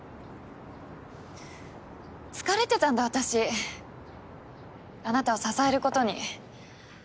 疲れてたんだ私あなたを支えることに。